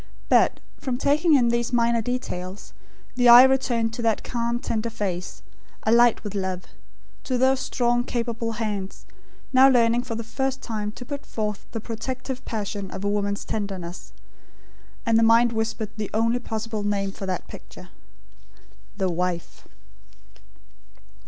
But, from taking in these minor details, the eye returned to that calm tender face, alight with love; to those strong capable hands, now learning for the first time to put forth the protective passion of a woman's tenderness; and the mind whispered the only possible name for that picture: The Wife.